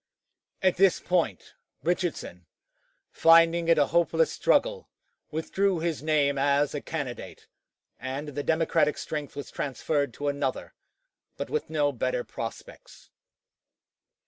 At this point, Richardson, finding it a hopeless struggle, withdrew his name as a candidate, and the Democratic strength was transferred to another, but with no better prospects.